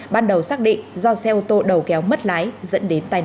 ban đầu xác định do xe ô tô đầu kéo mất lái dẫn đến tai nạn